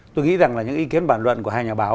tôi nghĩ rằng là những ý kiến bản luận của hai nhà báo